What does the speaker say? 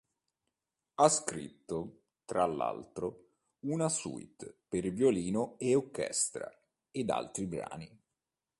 Ha scritto, tra l'altro, una "Suite per violino e orchestra" ed altri brani.